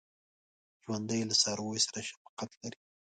ژوندي له څارویو سره شفقت لري